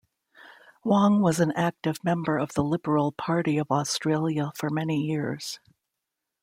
Wong was an active member of the Liberal Party of Australia for many years.